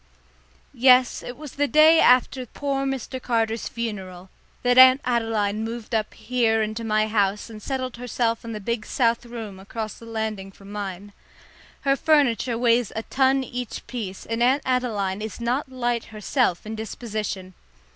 Yes, it was the day after poor Mr. Carter's funeral that Aunt Adeline moved up here into my house and settled herself in the big south room across the landing from mine. Her furniture weighs a ton each piece, and Aunt Adeline is not light herself in disposition.